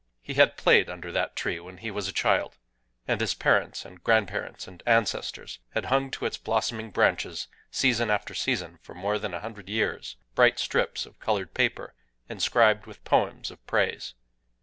He had played under that tree when he was a child; and his parents and grandparents and ancestors had hung to its blossoming branches, season after season for more than a hundred years, bright strips of colored paper inscribed with poems of praise.